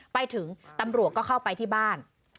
ไปถึงตำรวจก็เข้าไปที่บ้าน